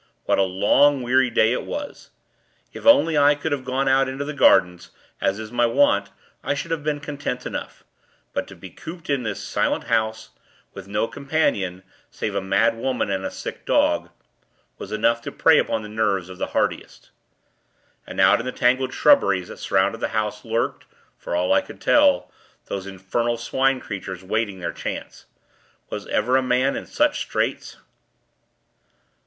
What a long, weary day it was. If only I could have gone out into the gardens, as is my wont, I should have been content enough; but to be cooped in this silent house, with no companion, save a mad woman and a sick dog, was enough to prey upon the nerves of the hardiest. And out in the tangled shrubberies that surrounded the house, lurked for all I could tell those infernal Swine creatures waiting their chance. Was ever a man in such straits?